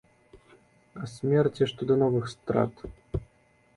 А смерці што да новых страт?